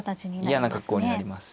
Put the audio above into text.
嫌な格好になります。